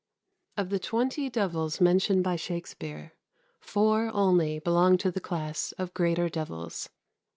Of the twenty devils mentioned by Shakspere, four only belong to the class of greater devils.